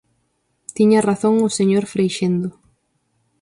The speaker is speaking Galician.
Tiña razón o señor Freixendo.